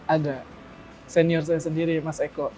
ada senior saya sendiri mas eko